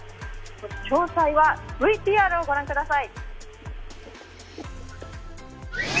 詳細はＶＴＲを御覧ください。